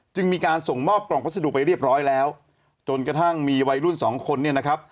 จึงมีการส่งมอบกล่องพัสดุไปเรียบร้อยแล้วจนกระทั่งมีวัยรุ่นสองคนเนี่ยนะครับ